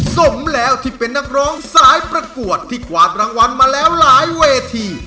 สมแล้วที่เป็นนักร้องสายประกวดที่กวาดรางวัลมาแล้วหลายเวที